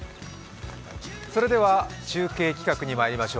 それでは中継企画にまいりましょう。